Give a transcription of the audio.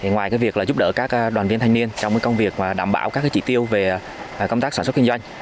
ngoài việc giúp đỡ các đoàn viên thanh niên trong công việc đảm bảo các trị tiêu về công tác sản xuất kinh doanh